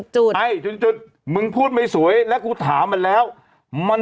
จุดไอ้จุดมึงพูดไม่สวยแล้วกูถามมันแล้วมัน